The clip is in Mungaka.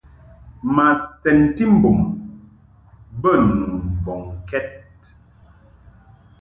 Ma sɛnti mbum bə nu mbɔŋkɛd.